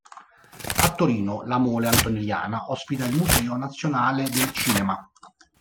A Torino, la Mole Antonelliana ospita il Museo nazionale del Cinema.